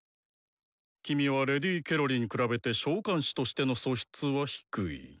キミはＬ・ケロリに比べて召喚士としての素質は低い。